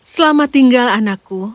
selamat tinggal anakku